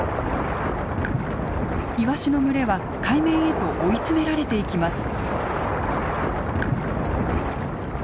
イワシの群れは海面へと追い詰められていきます。